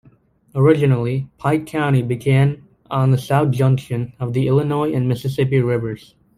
Originally Pike County began on the south junction of the Illinois and Mississippi rivers.